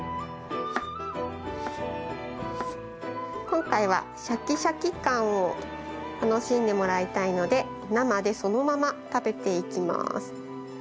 今回はシャキシャキ感を楽しんでもらいたいので生でそのまま食べていきます。